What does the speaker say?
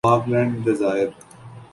Falkland جزائر